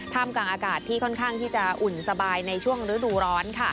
กลางอากาศที่ค่อนข้างที่จะอุ่นสบายในช่วงฤดูร้อน